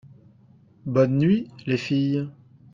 Bonne nuit, les filles.